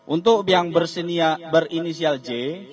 untuk yang berinisial j